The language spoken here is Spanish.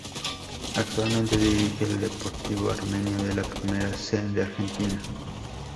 Actualmente dirige al Deportivo Armenio de la Primera C de Argentina.